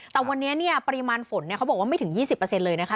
แต่วันนี้ปริมาณฝนเขาบอกว่าไม่ถึง๒๐เลยนะคะ